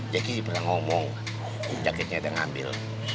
jackie pernah ngomong jaketnya ada ngambil